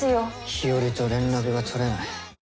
日和と連絡が取れない。